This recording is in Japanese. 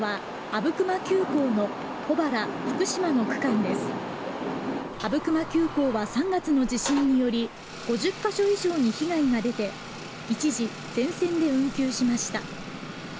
阿武隈急行は３月の地震により５０か所以上に被害が出て一時、全線で運休しました。